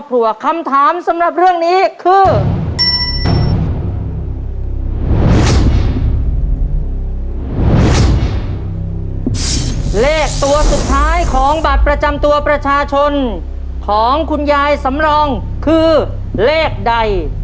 ตัวสุดท้ายของบัตรประจำตัวประชาชนของคุณยายสำรองคือเลขใด